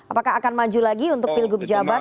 apakah akan maju lagi untuk pilgub jabar